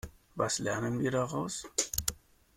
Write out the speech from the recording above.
Was lernen wir daraus?